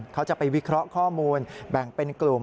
เขาจะไปวิเคราะห์ข้อมูลแบ่งเป็นกลุ่ม